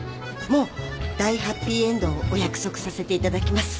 もう大ハッピーエンドをお約束させていただきます。